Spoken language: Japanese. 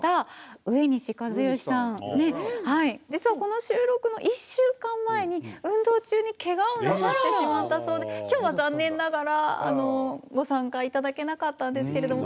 実はこの収録の１週間前に運動中にけがをなさってしまったそうで今日は残念ながらご参加いただけなかったんですけれども。